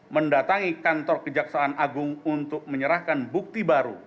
mendatangi kantor kejaksaan agung untuk menyerahkan bukti baru